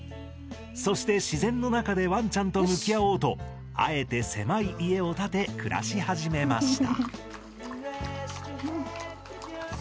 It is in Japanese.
そして自然の中でワンちゃんと向き合おうとあえて狭い家を建て暮らし始めました